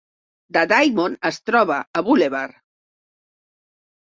The Diamond es troba a Boulevard.